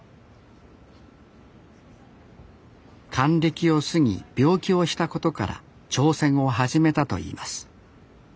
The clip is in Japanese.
還暦を過ぎ病気をしたことから挑戦を始めたといいます